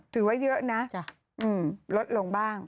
ถือว่าเยอะนะลดลงบ้าง